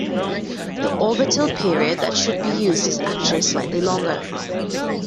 The orbital period that should be used is actually slightly longer.